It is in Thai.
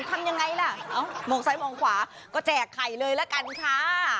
ทำยังไงล่ะมองซ้ายมองขวาก็แจกไข่เลยละกันค่ะ